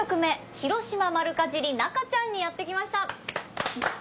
『ひろしま丸かじり中ちゃん』にやって来ました！